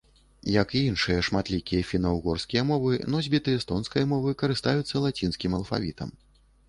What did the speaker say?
Як і іншыя шматлікія фіна-ўгорскія мовы, носьбіты эстонскай мовы карыстаюцца лацінскім алфавітам.